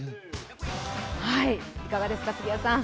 いかがですか、杉谷さん。